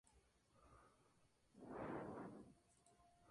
Sirvió como sacerdote en la catedral de Rothschild.